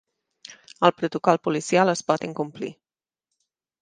El protocol policial es pot incomplir